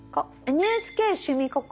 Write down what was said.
「ＮＨＫ趣味ココ」。